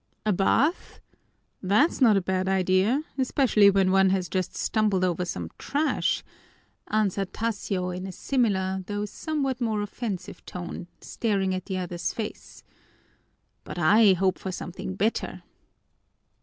"A bath? That's not a bad idea, especially when one has just stumbled over some trash!" answered Tasio in a similar, though somewhat more offensive tone, staring at the other's face. "But I hope for something better."